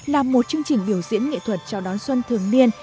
là một chương trình biểu diễn nghệ thuật chào đón xuân thường niên